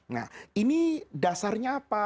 nah ini dasarnya apa